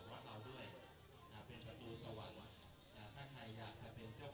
เช่นชั้นปุศิษฐ์ก็จะรู้ว่าปุศิษฐาราวเป็นต้นให้ย่านโยงสิบหกชุด